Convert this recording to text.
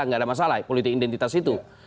nggak ada masalah politik identitas itu